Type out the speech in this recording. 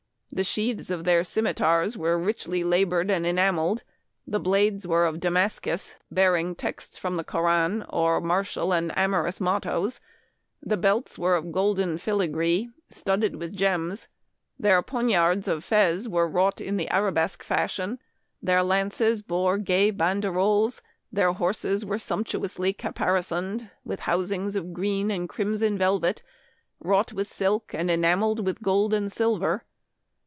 The sheaths of their cimeters were richly labored and enameled ; the blades were of Damascus, bearing texts from the Koran, or martial and amorous mot toes ; the belts were of golden filigree, studded with gems ; their poniards of Fez, were wrought in the arabesque fashion ; their lances bore gay banderoles ; their horses were sumptuously caparisoned with housings of green and crimson velvet, wrought with silk, and enameled with gold and silver.